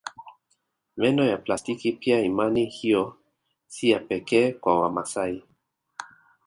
Meno ya plastiki pia imani hiyo si ya pekee kwa Wamasai